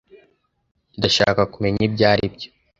Ndashaka kumenya ibyo aribyo.